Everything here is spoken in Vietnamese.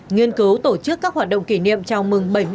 nghiên cứu tổ chức các hoạt động kỷ niệm chào mừng